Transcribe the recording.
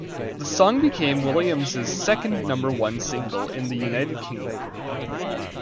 The song became Williams' second number-one single in the United Kingdom.